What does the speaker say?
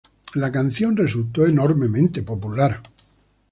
La canción resultó enormemente popular.